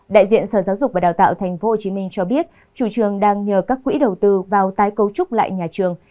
đại diện sở giáo dục và đào tạo tp hcm cho biết chủ trường đang nhờ các quỹ đầu tư vào tái cấu trúc lại nhà trường